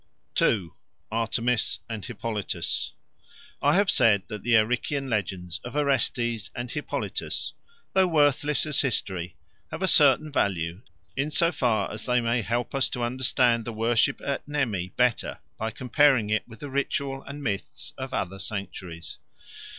2. Artemis and Hippolytus I HAVE said that the Arician legends of Orestes and Hippolytus, though worthless as history, have a certain value in so far as they may help us to understand the worship at Nemi better by comparing it with the ritual and myths of other sanctuaries.